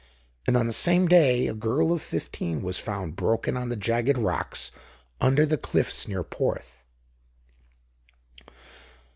And on the same day a girl of fifteen was found broken on the jagged rocks under the cliffs near Porth.